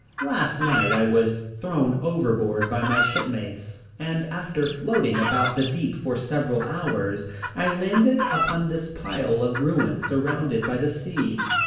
Last night I was thrown overboard by my shipmates and after floating about the deep for several hours I landed upon this pile of ruins surrounded by the sea.